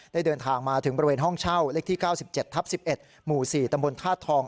เดินทางมาถึงบริเวณห้องเช่าเลขที่๙๗ทับ๑๑หมู่๔ตำบลธาตุทอง